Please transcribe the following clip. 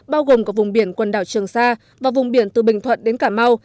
bao gồm có vùng biển quần đảo trường sa và vùng biển từ bình thuận đến cả mau